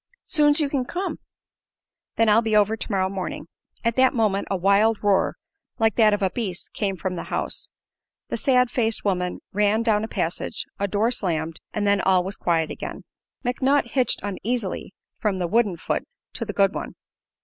"Soon's you kin come." "Then I'll be over tomorrow morning." At that moment a wild roar, like that of a beast, came from the house. The sad faced woman ran down a passage; a door slammed, and then all was quiet again. McNutt hitched uneasily from the wooden foot to the good one.